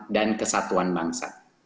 dan kesatuan bangsa